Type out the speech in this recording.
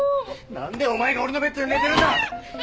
何でお前が俺のベッドで寝てるんだ！？